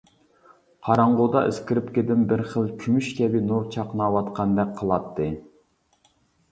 قاراڭغۇدا ئىسكىرىپكىدىن بىر خىل كۈمۈش كەبى نۇر چاقناۋاتقاندەك قىلاتتى.